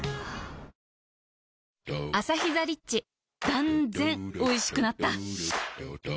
断然おいしくなった